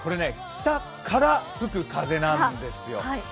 北から吹く風なんですよ。